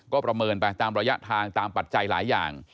ก็ประเมินไปตามระยะทางตามปัจจัยหลายอย่าง